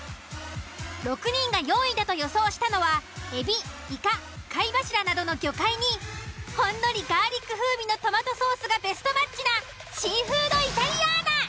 ６人が４位だと予想したのは海老イカ貝柱などの魚介にほんのりガーリック風味のトマトソースがベストマッチなシーフードイタリアーナ。